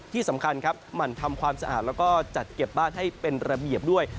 ที่สำคัญมันทำบ้านกัดขวามสะอาดและจัดเก็บบ้านให้เป็นระเบียบด้วย